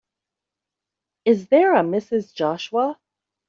Is there a Mrs. Joshua?